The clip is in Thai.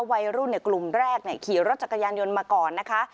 วัยรุ่นกลุ่มแรกขี่รถจักรยานยนต์มาก่อนนะคะ